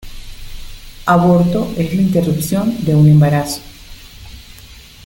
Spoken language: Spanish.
Aborto es la interrupción de un embarazo.